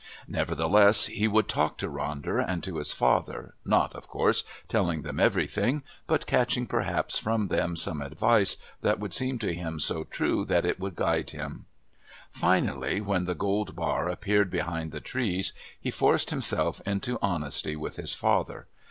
Nevertheless, he would talk to Ronder and to his father, not, of course, telling them everything, but catching perhaps from them some advice that would seem to him so true that it would guide him. Finally, when the gold bar appeared behind the trees he forced himself into honesty with his father.